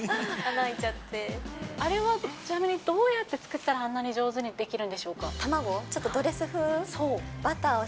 あれはちなみにどうやって作ったら、あんなに上手にできるんでしょうか。